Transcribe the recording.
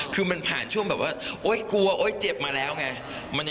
คือมันผ่านช่วงกลัวจิบมาแล้วไง